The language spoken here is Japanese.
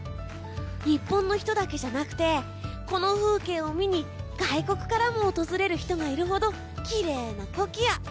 日本の人だけじゃなくてこの風景を見に外国からも訪れる人がいるほどきれいなコキア！